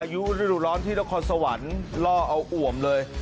อายุฤดูร้อนที่นครสวรรค์ล่อเอาอ่วมเลย